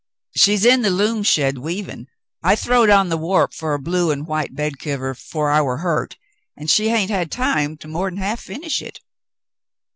"She's in the loom shed weavin'. I throwed on the warp fer a blue and white bed kiver 'fore I war hurt, an' she hain't had time to more'n half finish hit.